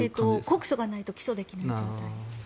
告訴がないと起訴できない状態です。